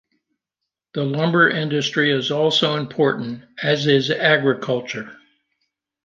The lumber industry is also important, as is agriculture.